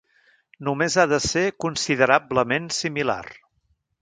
Només ha de ser considerablement similar.